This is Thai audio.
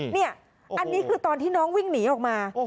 นี่อันนี้คือตอนที่น้องวิ่งหนีออกมา